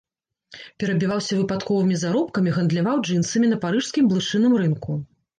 Перабіваўся выпадковымі заробкамі, гандляваў джынсамі на парыжскім блышыным рынку.